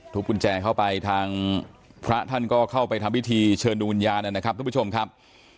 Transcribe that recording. กุญแจเข้าไปทางพระท่านก็เข้าไปทำพิธีเชิญดูวิญญาณนะครับทุกผู้ชมครับ